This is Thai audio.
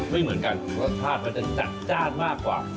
ไม่เหมือนกันรสชาติมันจะจัดจ้านมากกว่า